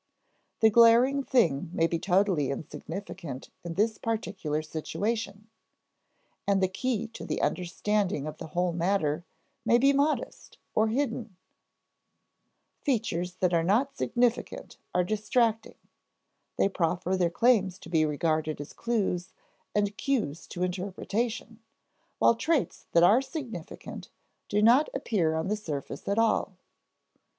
The glaring thing may be totally insignificant in this particular situation, and the key to the understanding of the whole matter may be modest or hidden (compare p. 74). Features that are not significant are distracting; they proffer their claims to be regarded as clues and cues to interpretation, while traits that are significant do not appear on the surface at all.